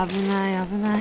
危ない。